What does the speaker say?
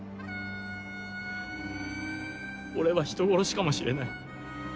俺は人殺しかもしれない。